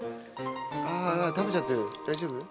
あ食べちゃってる大丈夫？